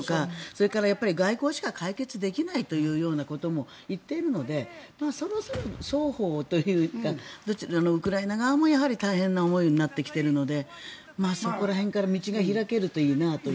それから外交しか解決できないということも言っているのでそろそろ双方というかウクライナ側も大変な思いになってきているのでそこら辺から道が開けるといいなと。